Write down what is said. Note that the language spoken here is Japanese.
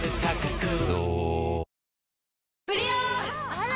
あら！